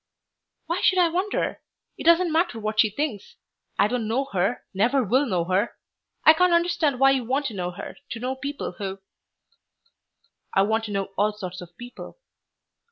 "Why should I wonder? It doesn't matter what she thinks. I don't know her, never will know her. I can't understand why you want to know her, to know people who " "I want to know all sorts of people."